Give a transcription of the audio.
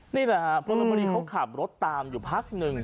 นี่แหละครับพลเมืองดีเขาขับรถตามอยู่พักหนึ่ง